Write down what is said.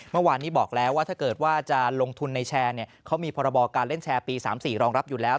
เมื่อวานนี้บอกแล้วว่าถ้าเกิดว่าจะลงทุนในแชร์เขามีพรบการเล่นแชร์ปี๓๔รองรับอยู่แล้ว